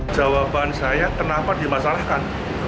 jawaban saya kenapa dimasalahkan